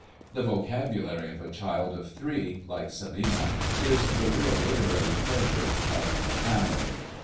The vocabulary of a child of three, like Celinina, is the real literary treasure of a family.